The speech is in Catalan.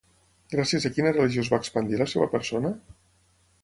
Gràcies a quina religió es va expandir la seva persona?